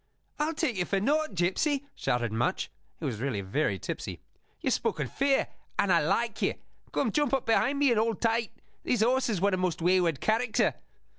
"I'll take you for nought, gipsy," shouted Much, who really was very tipsy. "You've spoken fair; and I like you! Come, jump up behind me, and hold tight. This horse is one of most wayward character."